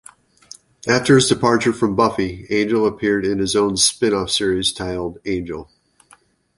After his departure from "Buffy", Angel appeared in his own spin-off series, titled "Angel".